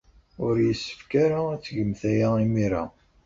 Ur yessefk ara ad tgemt aya imir-a.